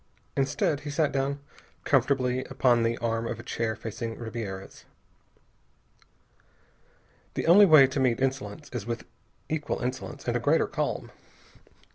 Instead, he sat down comfortably upon the arm of a chair facing Ribiera's. The only way to meet insolence is with equal insolence and a greater calm.